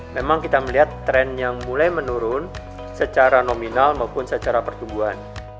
memang kita melihat tren yang mulai menurun secara nominal maupun secara pertumbuhan